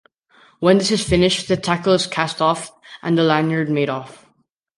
When this is finished the tackle is cast off and the lanyard made off.